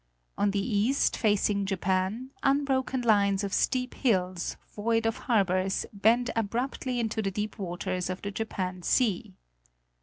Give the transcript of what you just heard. On the east, facing Japan, unbroken lines of steep hills, void of harbors, bend ab ruptly into the deep waters of the Japan Sea.